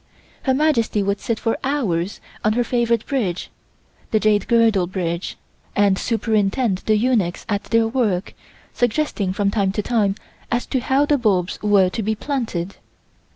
Her Majesty would sit for hours on her favorite bridge (The Jade Girdle Bridge) and superintend the eunuchs at their work, suggesting from time to time as to how the bulbs were to be planted.